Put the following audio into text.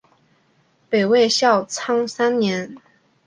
北魏孝昌三年。